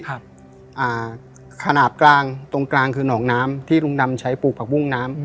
ครับอ่าขนาดกลางตรงกลางคือหนองน้ำที่ลุงดำใช้ปลูกผักบุ้งน้ำ